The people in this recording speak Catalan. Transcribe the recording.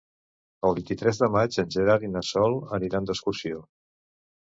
El vint-i-tres de maig en Gerard i na Sol aniran d'excursió.